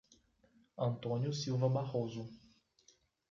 Antônio Silva Barroso